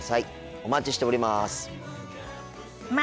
お待ちしております。